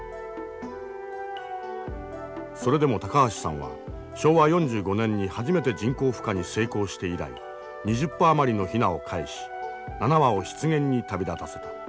それでも高橋さんは昭和４５年に初めて人工孵化に成功して以来２０羽余りのヒナをかえし７羽を湿原に旅立たせた。